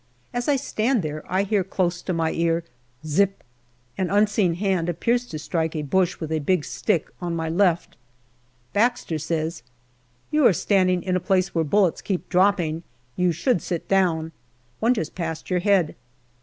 As I stand there I hear close to my ear " zi i ip " an unseen hand appears to strike a bush with a big stick on my left. Baxter says, " You are standing in a place where bullets keep dropping. You should sit down. One just passed your head."